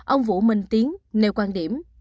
ông vũ minh tiến nêu quan điểm